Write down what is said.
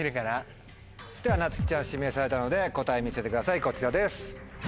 ではなつきちゃん指名されたので答え見せてくださいこちらです！